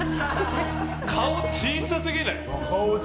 顔小さすぎない？